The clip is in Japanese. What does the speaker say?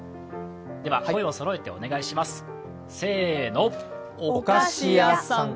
では、声をそろえてお願いします。